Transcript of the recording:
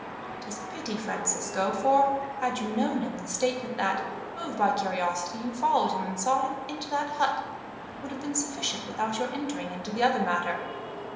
"It is a pity, Francisco, for had you known him, the statement that, moved by curiosity, you followed him and saw him into that hut, would have been sufficient without your entering into the other matter.